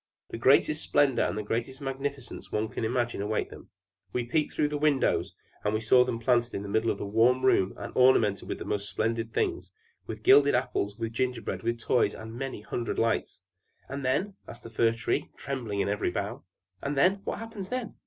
The greatest splendor and the greatest magnificence one can imagine await them. We peeped through the windows, and saw them planted in the middle of the warm room and ornamented with the most splendid things, with gilded apples, with gingerbread, with toys, and many hundred lights!" "And then?" asked the Fir Tree, trembling in every bough. "And then? What happens then?"